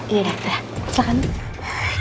iya sudah silakan bu